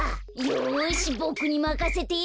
よしボクにまかせて。